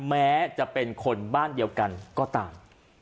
แม้จะเป็นคนบ้านเดียวกันก็ตาม